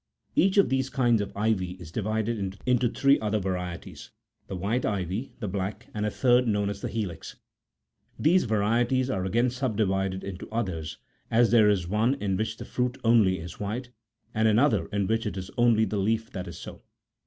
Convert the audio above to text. ^ Each of these kinds of ivy is divided into three other varieties ; the white8 ivy, the black,9 and a third known as the helix.10 These varieties are again subdivided into others, _ as there is one in which the fruit only is white, and another in which it is only the leaf that is so.